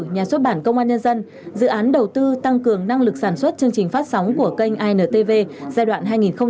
nhà xuất bản công an nhân dân dự án đầu tư tăng cường năng lực sản xuất chương trình phát sóng của kênh intv giai đoạn hai nghìn một mươi sáu hai nghìn hai mươi